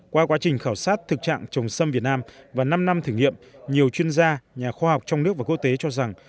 qua quá trình khảo sát thực trạng trồng xâm việt nam và năm năm thử nghiệm nhiều chuyên gia nhà khoa học trong nước và quốc tế cho rằng